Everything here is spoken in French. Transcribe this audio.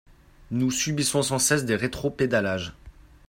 Nous subissons sans cesse des rétropédalages.